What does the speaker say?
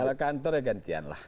kalau kantor ya gantian lah